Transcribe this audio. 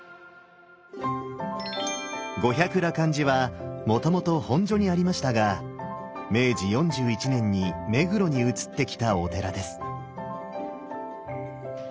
五百羅漢寺はもともと本所にありましたが明治４１年に目黒に移ってきたお寺です。